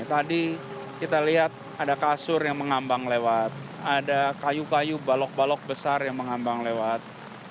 tadi kita lihat ada kasur yang mengambang lewat ada kayu kayu balok balok besar yang mengambang lewat